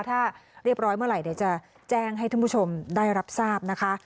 ถ้าเรียบร้อยเมื่อไหร่เดี๋ยวจะแจ้งให้ท่านผู้ชมได้รับทราบนะคะ